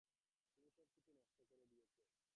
তুমি সব কিছু নষ্ট করে দিয়েছো।